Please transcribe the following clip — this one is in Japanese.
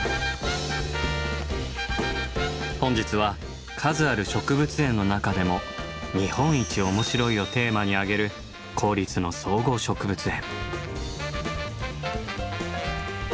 本日は数ある植物園の中でも「日本一おもしろい」をテーマにあげる公立の総合植物園。